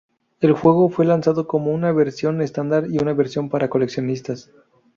El juego fue lanzado como una versión estándar y una versión para coleccionistas.